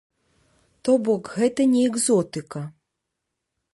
То бок, гэта не экзотыка.